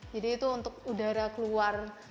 jadi itu untuk udara keluar